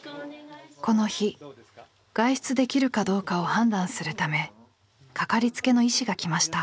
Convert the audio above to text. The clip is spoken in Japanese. この日外出できるかどうかを判断するためかかりつけの医師が来ました。